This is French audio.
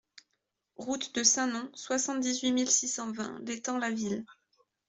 Route de Saint-Nom, soixante-dix-huit mille six cent vingt L'Étang-la-Ville